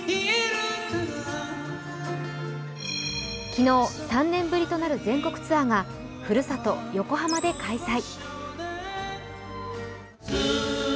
昨日、３年ぶりとなる全国ツアーがふるさと・横浜で開催。